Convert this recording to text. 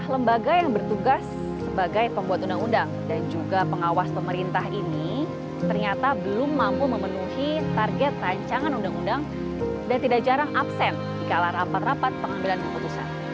lembaga yang bertugas sebagai pembuat undang undang dan juga pengawas pemerintah ini ternyata belum mampu memenuhi target rancangan undang undang dan tidak jarang absen di kala rapat rapat pengambilan keputusan